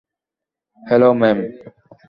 Hello, ma'am.